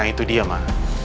nah itu dia ma